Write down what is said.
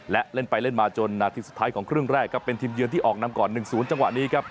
และเล่นไปเล่นมาจนนาทีสุดท้ายของครึ่งแรกครับเป็นทีมเยือนที่ออกนำก่อน๑๐จังหวะนี้ครับ